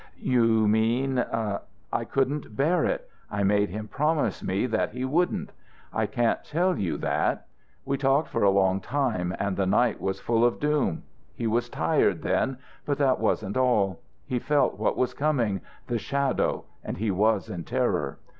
"You mean ..." "I couldn't bear it. I made him promise me that he wouldn't. I can't tell you that. We talked for a long time and the night was full of doom. He was tired then, but that wasn't all. He felt what was coming the Shadow ... and he was in terror.